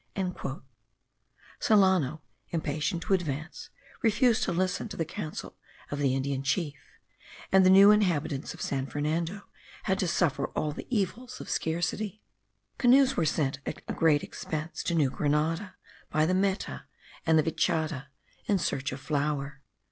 Solano, impatient to advance, refused to listen to the counsel of the Indian chief, and the new inhabitants of San Fernando had to suffer all the evils of scarcity. Canoes were sent at a great expense to New Grenada, by the Meta and the Vichada, in search of flour.